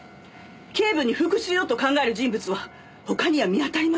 警部に復讐をと考える人物は他には見当たりません。